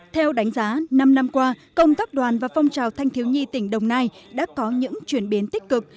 theo đánh giá năm năm qua công tác đoàn và phong trào thanh thiếu nhi tỉnh đồng nai đã có những chuyển biến tích cực